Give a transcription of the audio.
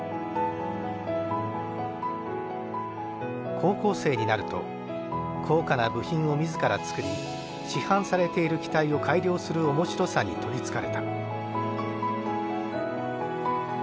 高校生になると高価な部品を自ら作り市販されている機体を改良する面白さに取りつかれた。